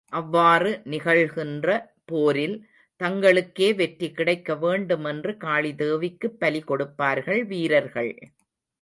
அவ்வாறு நிகழ்கின்ற போரில், தங்களுக்கே வெற்றி கிடைக்க வேண்டும் என்று காளிதேவிக்குப் பலிகொடுப்பார்கள் வீரர்கள்.